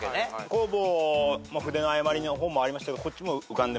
「弘法筆の誤り」もありましたけどこっちも浮かんでました。